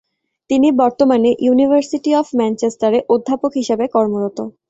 তিনি বর্তমানে university of ম্যানচেস্টারে অধ্যাপক হিসেবে কর্মরত।